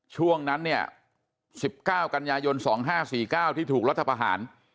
ช่วงนั้นเนี่ย๑๙กันยายน๒๕๔๙ที่ถูกรัฐประหาร